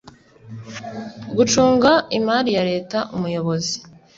Gucunga imari ya leta umuyobozi